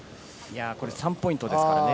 ３ポイントですからね。